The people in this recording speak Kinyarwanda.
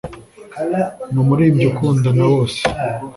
Ni umuririmbyi ukundwa na bose